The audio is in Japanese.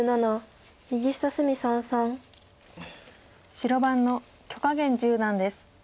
白番の許家元十段です。